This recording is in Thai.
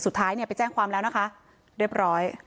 สุดท้ายเนี่ยไปแจ้งความแล้วนะคะเรียบร้อย